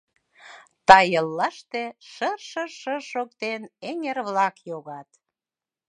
Тайыллаште, шыр-шыр-шыр шоктен, эҥер-влак йогат.